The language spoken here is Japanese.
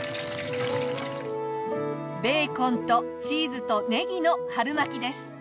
ベーコンとチーズとねぎの春巻きです。